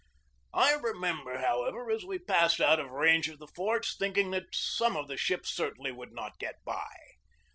I remember, however, as we passed out of range of the forts, thinking that some of the ships cer tainly would not get by.